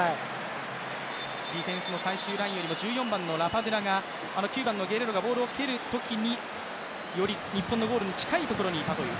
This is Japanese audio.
ディフェンスの最終ラインよりも１４番のラパドゥラが９番のゲレロがボールを蹴るときにより日本のゴールに近いところにいたという。